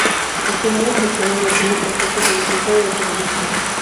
Los finales de serie no tienen porque ser un episodio de televisión.